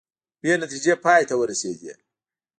بې نتیجې پای ته ورسیدې